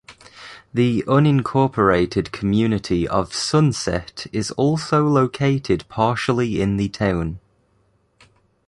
The unincorporated community of Sunset is also located partially in the town.